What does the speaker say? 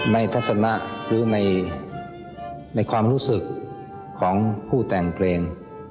ทัศนะหรือในความรู้สึกของผู้แต่งเพลง